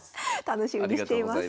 楽しみにしています。